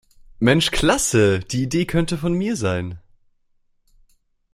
Mensch Klasse, die Idee könnte von mir sein.